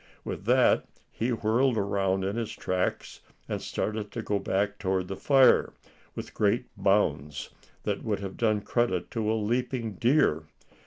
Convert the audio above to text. With that he whirled around in his tracks, and started to go back toward the fire, with great bounds, that would have done credit to a leaping deer.